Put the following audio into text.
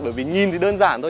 bởi vì nhìn thì đơn giản thôi